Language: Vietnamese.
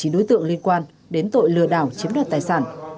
một mươi chín đối tượng liên quan đến tội lừa đảo chiếm đoạt tài sản